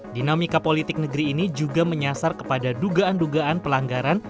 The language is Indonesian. dinamika politik negeri ini juga menyasar kepada dugaan dugaan pelanggaran